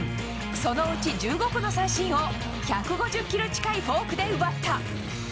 そのうち１５個の三振を１５０キロ近いフォークで奪った。